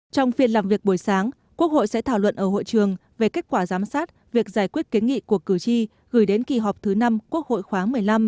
trong phiên làm việc buổi sáng quốc hội sẽ thảo luận ở hội trường về kết quả giám sát việc giải quyết kiến nghị của cử tri gửi đến kỳ họp thứ năm quốc hội khoáng một mươi năm